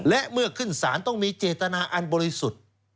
และเมื่อขึ้นศาลต้องมีเจตนาอันบริสุทธิ์